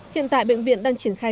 hiện tại bệnh viện đang triển khai